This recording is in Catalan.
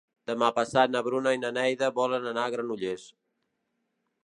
Demà passat na Bruna i na Neida volen anar a Granollers.